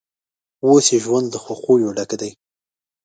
اوس یې ژوند له خوښیو ډک دی.